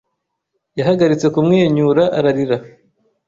Yahagaritse kumwenyura ararira